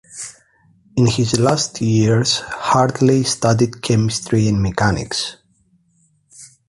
In his last years, Hartley studied chemistry and mechanics.